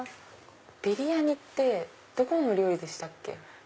ビリヤニってどこの料理でしたっけ？